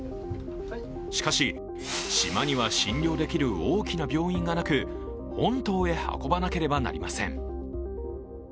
しかし、島には診療できる大きな病院がなく本島へ運ばなければなりません。